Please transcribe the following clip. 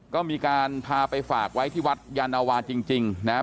ก็มีการพาไปฝากไว้ที่วัดยานวาจริงนะครับ